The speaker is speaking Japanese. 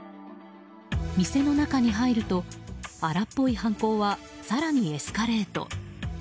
店の中に入ると荒っぽい犯行は更にエスカレート。